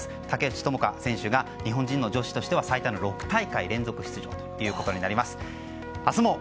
竹内智香選手が日本人女子としては最多の６大会連続出場となります。